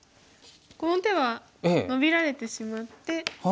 この手はノビられてしまって。